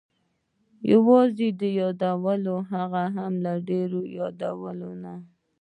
یوازې د یادولو، هغه هم ډېر یادول نه.